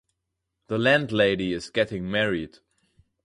The landlady is getting married.